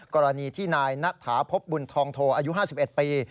กรณีที่นายณฐาพบบุญทองโทอายุ๕๑ปี